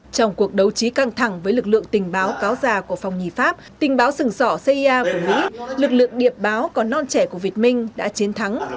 trong cuộc đấu trí căng thẳng với lực lượng tình báo cáo già của phòng nhì pháp tình báo sừng sỏ cia của mỹ lực lượng điệp báo có non trẻ của việt minh đã chiến thắng